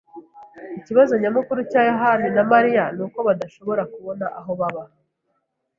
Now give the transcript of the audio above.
Ikibazo nyamukuru cya yohani na Mariya nuko badashobora kubona aho baba.